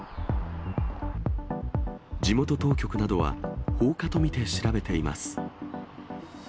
地元当局などは、放火と見て調べています。